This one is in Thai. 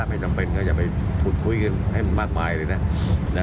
ไม่จำเป็นก็อย่าไปขุดคุยกันให้มันมากมายเลยนะ